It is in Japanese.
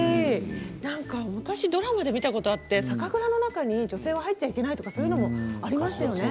なんか昔ドラマで見たことがあって、酒蔵の中に女性は入ってはいけないとかそういうことありましたよね。